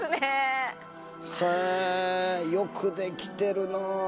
へえよくできてるなあ。